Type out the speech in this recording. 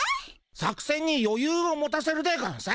作せんによゆうを持たせるでゴンス。